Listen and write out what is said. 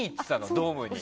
ドームに。